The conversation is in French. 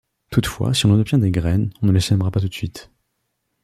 Toutefois si l'on obtient des graines, on ne les sèmera pas tout de suite.